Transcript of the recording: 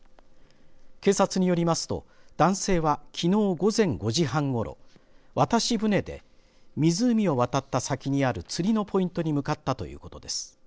警察によりますと男性は、きのう午前５時半ごろ渡し船で湖を渡った先にある釣りのポイントに向かったということです。